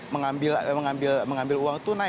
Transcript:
menyokong bersolat mengambil uang tunai